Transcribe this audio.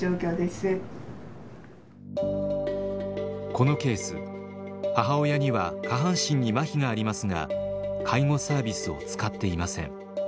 このケース母親には下半身にまひがありますが介護サービスを使っていません。